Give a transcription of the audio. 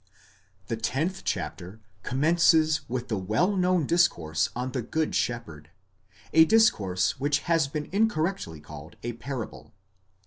The tenth chapter commences with the well known discourse on the Good Shepherd ; a discourse which has been incorrectly called a parable.